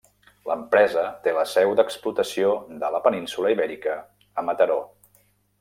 L'empresa té la seu d'explotació de la península Ibèrica a Mataró.